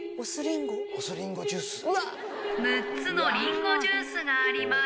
６つのりんごジュースがあります。